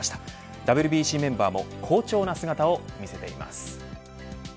ＷＢＣメンバーも好調な姿を見せています。